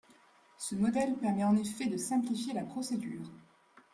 Ce modèle permet en effet de simplifier la procédure.